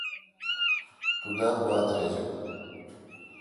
تو دا گواؙ ترجہ۔